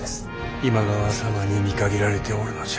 今川様に見限られておるのじゃ。